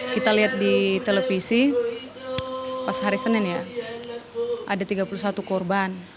kita lihat di televisi pas hari senin ya ada tiga puluh satu korban